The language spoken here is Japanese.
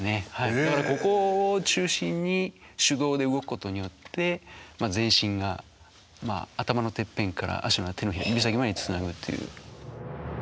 だからここを中心に主導で動くことによって全身が頭のてっぺんから足や手の指先までつなぐっていう。